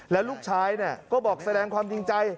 แล้วลูกชายก็บอกแสดงความจริงใจ